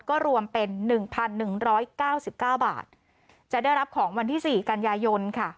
ก็รวมเป็นหนึ่งพันหนึ่งร้อยเก้าสิบเก้าบาทจะได้รับของวันที่สี่กันยายนต์ค่ะ